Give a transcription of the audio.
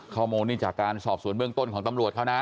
ข้อมูลนี่จากการสอบสวนเบื้องต้นของตำรวจเขานะ